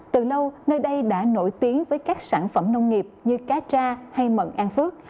từ lâu nơi đây đã nổi tiếng với các sản phẩm nông nghiệp như cá tra hay mận an phước